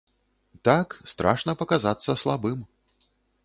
Так, страшна паказацца слабым.